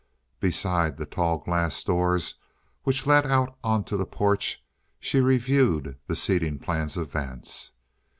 Beside the tall glass doors which led out onto the porch she reviewed the seating plans of Vance.